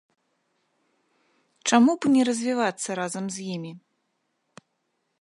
Чаму б не развівацца разам з імі?